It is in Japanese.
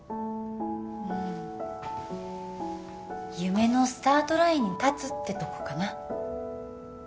うん夢のスタートラインに立つってとこかな